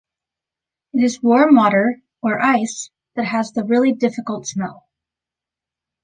It is warm water — or ice — that has the really difficult smell.